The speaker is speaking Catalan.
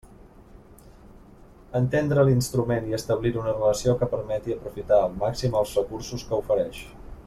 Entendre l'instrument i establir-hi una relació que permeti aprofitar al màxim els recursos que ofereix.